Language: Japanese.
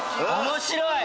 面白い！